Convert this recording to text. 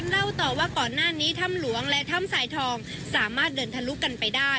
แล้วชาวบ้านก็เข้าใจ